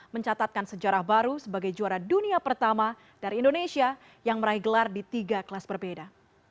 mencatatkan sejarah baru sebagai juara dunia pertama dari indonesia yang meraih gelar di tiga kelas berbeda